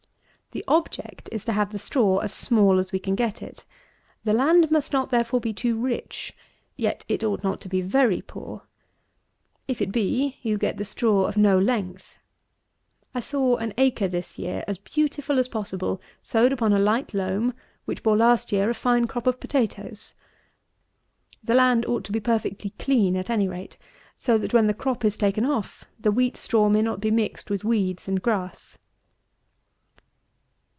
The object is to have the straw as small as we can get it. The land must not, therefore, be too rich; yet it ought not to be very poor. If it be, you get the straw of no length. I saw an acre this year, as beautiful as possible, sowed upon a light loam, which bore last year a fine crop of potatoes. The land ought to be perfectly clean, at any rate; so that, when the crop is taken off, the wheat straw may not be mixed with weeds and grass.